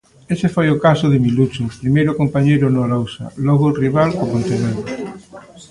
Ese foi o caso de Milucho, primeiro compañeiro no Arousa, logo rival co Pontevedra.